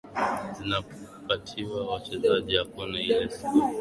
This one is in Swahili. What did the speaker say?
zinapatiwa wachezaji hakuna ile siku itasema mchezaji wa gormahia ameenda